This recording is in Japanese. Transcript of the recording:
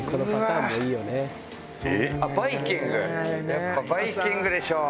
やっぱバイキングでしょ！